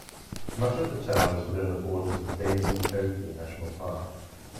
Much of the town is within the borders of Daisen-Oki National Park.